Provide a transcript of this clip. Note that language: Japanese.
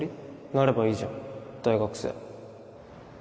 なればいいじゃん大学生